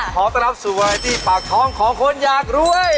ขอต้อนรับสวยที่ปากท้องของคนอยากรวย